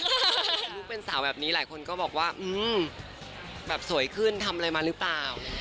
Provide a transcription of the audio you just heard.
ลูกเป็นสาวแบบนี้หลายคนก็บอกว่าแบบสวยขึ้นทำอะไรมาหรือเปล่า